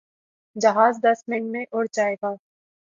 جہاز دس منٹ میں اڑ جائے گا۔